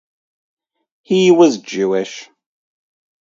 He is Jewish.